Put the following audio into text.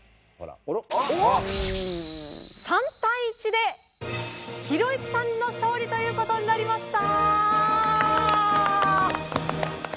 ３対１でひろゆきさんの勝利という事になりました！